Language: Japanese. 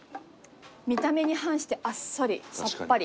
見た目に反してあっさりさっぱり。